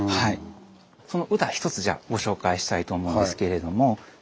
その歌ひとつじゃあご紹介したいと思うんですけれども。